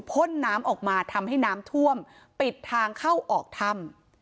พ่นน้ำออกมาทำให้น้ำท่วมปิดทางเข้าออกถ้ำ